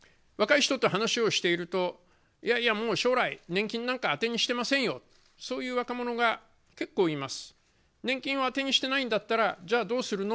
若い人と話をしていると将来、年金なんか当てしていませんよ、そういう若者が結構います。